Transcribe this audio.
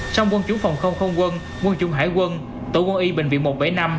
trong quân chủ phòng không không quân quân chủng hải quân tổ quân y bệnh viện một trăm bảy mươi năm